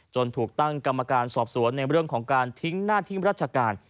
ถูกตั้งกรรมการสอบสวนในเรื่องของการทิ้งหน้าที่ราชการ